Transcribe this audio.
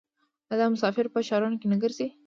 آیا دا مسافر په ښارونو کې نه ګرځي؟